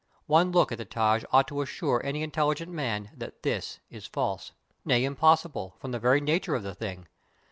One look at the Taj ought to assure any intelligent man that this is false — nay, impossible, from the ver}' nature of the thing.